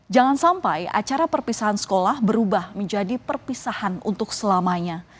jangan sampai acara perpisahan sekolah berubah menjadi perpisahan untuk selamanya